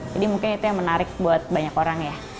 jadi mungkin itu yang menarik buat banyak orang ya